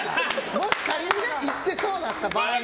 もし仮に行ってそうだった場合に。